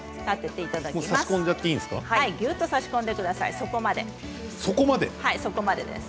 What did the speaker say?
底までぎゅっと挿し込んでください。